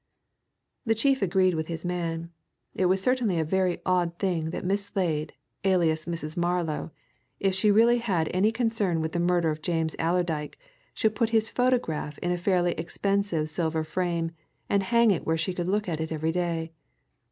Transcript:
The chief agreed with his man. It was certainly a very odd thing that Miss Slade, alias Mrs. Marlow, if she really had any concern with the murder of James Allerdyke, should put his photograph in a fairly expensive silver frame, and hang it where she could look at it every day.